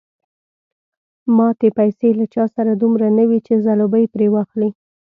ماتې پیسې له چا سره دومره نه وې چې ځلوبۍ پرې واخلي.